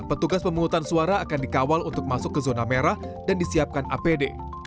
petugas pemungutan suara akan dikawal untuk masuk ke zona merah dan disiapkan apd